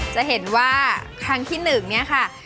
จะเห็นว่าครั้งที่๑เนี่ยค่ะ